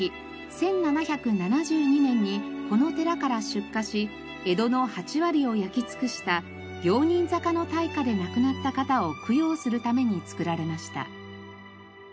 １７７２年にこの寺から出火し江戸の８割を焼き尽くした行人坂の大火で亡くなった方を供養するために作られました。